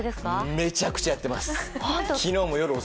めちゃくちゃやってます。